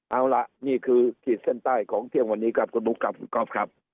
เอาละนี่คือขีดเส้นใต้ของเที่ยงวันนี้กับกระดูกกับกรอบครับ